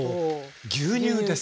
牛乳です。